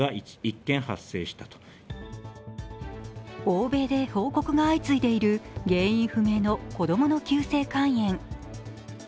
欧米で報告が相次いでいる原因不明の子供の急性肝炎。